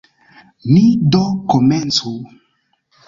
Ni do komencu.